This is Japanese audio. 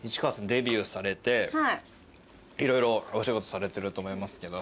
デビューされて色々お仕事されてると思いますけど。